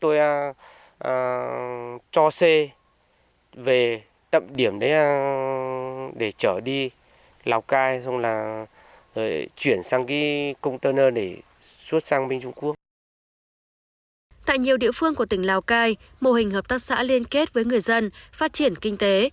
tại nhiều địa phương của tỉnh lào cai mô hình hợp tác xã liên kết với người dân phát triển kinh tế